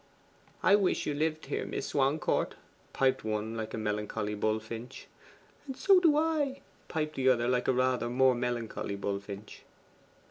'I wish you lived here, Miss Swancourt,' piped one like a melancholy bullfinch. 'So do I,' piped the other like a rather more melancholy bullfinch.